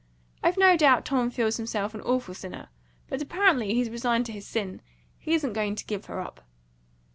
"I've no doubt Tom feels himself an awful sinner. But apparently he's resigned to his sin; he isn't going to give her up."